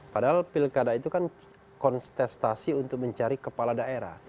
padahal pilkada itu kan kontestasi untuk mencari kepala daerah